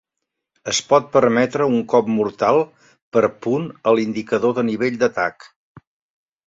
Es pot permetre un cop mortal per punt a l'indicador de nivell d'atac.